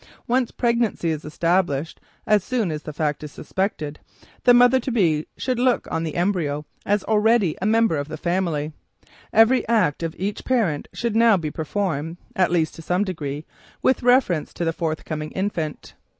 Once pregnancy is established, as soon as the fact is suspected, the mother to be should look on the little embryo as already a member of the family. Every act of each parent should now be performed (at least to some degree) with reference to the forthcoming infant.